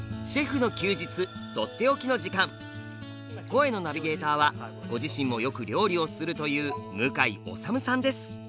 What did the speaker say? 声のナビゲーターはご自身もよく料理をするという向井理さんです。